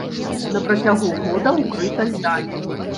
На працягу года ўкрыта льдамі.